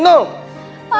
pak tapi gini pak